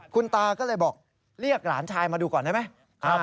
คุณตาก็เลยบอกเรียกหลานชายมาดูก่อนได้ไหม